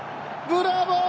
ブラボー！